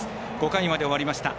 ５回まで終わりました。